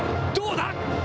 どうだ！？